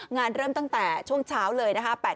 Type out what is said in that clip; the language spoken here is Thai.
เริ่มตั้งแต่ช่วงเช้าเลยนะคะ